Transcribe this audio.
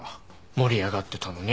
盛り上がってたのに。